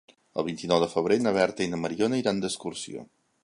El vint-i-nou de febrer na Berta i na Mariona iran d'excursió.